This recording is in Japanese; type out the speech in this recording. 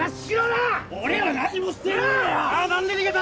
俺は何もしてねえよ！